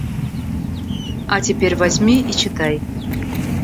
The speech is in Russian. – А теперь возьми и читай.